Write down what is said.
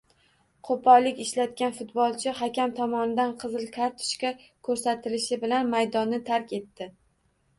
Qo‘pollik ishlatgan futbolchi hakam tomonidan qizil kartochka ko‘rsatilishi bilan maydonni tark etdi.